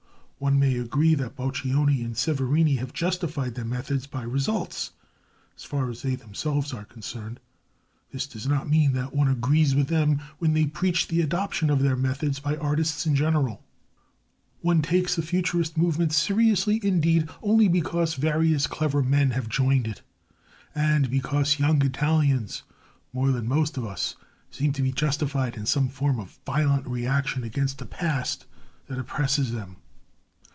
One may agree that Boccioni and Severini have justified their methods by results as far as they themselves are concerned; this does not mean that one agrees with them when they preach the adoption of their methods by artists in general. One takes the Futurist movement seriously, indeed, only because various clever men have joined it, and because young Italians, more than most of us, seem to be justified in some form of violent reaction against a past that oppresses them.